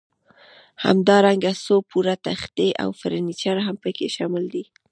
همدارنګه څو پوړه تختې او فرنیچر هم پکې شامل دي.